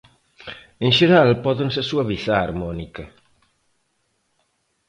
En xeral, pódense suavizar, Mónica.